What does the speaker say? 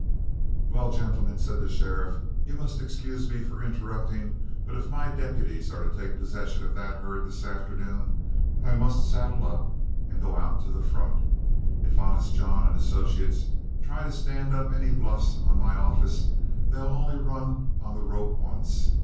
"Well, gentlemen," said the sheriff, "you must excuse me for interrupting, but if my deputies are to take possession of that herd this afternoon, I must saddle up and go to the front. If Honest John and associates try to stand up any bluffs on my office, they'll only run on the rope once.